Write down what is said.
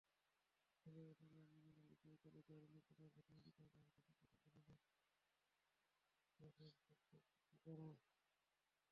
পয়লা বৈশাখে জাহাঙ্গীরনগর বিশ্ববিদ্যালয়ে যৌন নিপীড়নের ঘটনার বিচারের দাবিতে সংবাদ সম্মেলন করেছেন শিক্ষক-শিক্ষার্থীরা।